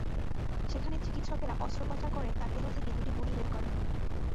সেখানে চিকিৎসকেরা অস্ত্রোপচার করে তাঁর দেহ থেকে দুটি গুলি বের করেন।